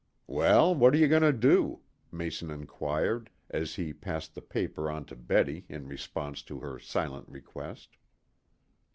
"Well, what are you going to do?" Mason inquired, as he passed the paper on to Betty in response to her silent request.